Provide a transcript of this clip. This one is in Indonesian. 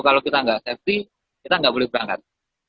kalau kita gak safety kita gak boleh berangkat